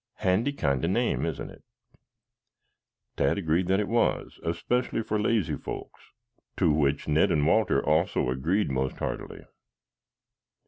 "Handy kind of name, isn't it?" Tad agreed that it was, especially for lazy folks, to which Ned and Walter also agreed most heartily.